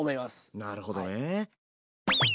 なるほどね。